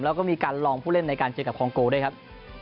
แล้วก็มีการลองผู้เล่นในการเจอกับคองโกด้วยครับ